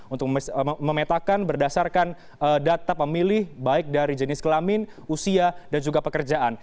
untuk memetakan berdasarkan data pemilih baik dari jenis kelamin usia dan juga pekerjaan